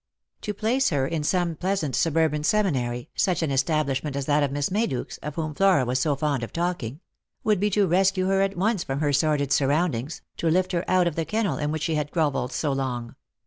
To place he? in some pleasant suburban seminary — such an establishment as that of Miss Mayduke's, of whom Flora was so fond of talking — would be to rescue her at once from her sordid surroundings, to lift her out of the kennel in which she had grovelled so long.